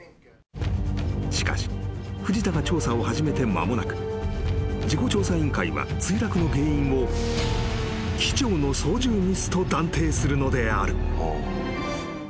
［しかし藤田が調査を始めて間もなく事故調査委員会は墜落の原因を機長の操縦ミスと断定するのである］